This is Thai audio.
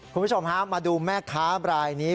คุณผู้ชมฮะมาดูแม่ค้าบรายนี้